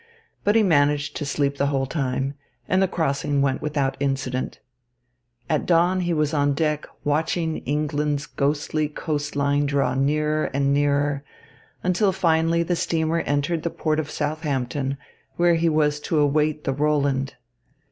But he managed to sleep the whole time, and the crossing went without incident. At dawn he was on deck watching England's ghostly coast line draw nearer and nearer, until finally the steamer entered the port of Southampton, where he was to await the Roland.